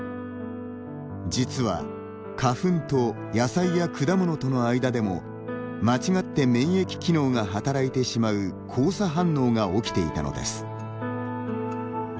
実は、花粉と野菜や果物との間でも間違って免疫機能が働いてしまう交差反応が起きていたのです。